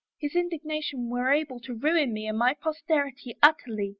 His indignation were able to ruin me and my posterity ut terly!